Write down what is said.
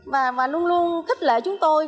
và luôn luôn khích lệ chúng tôi